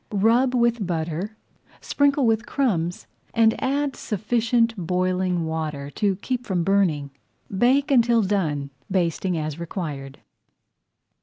Rub with butter, sprinkle with crumbs, and add sufficient boiling water to keep from burning. Bake until done, basting as required.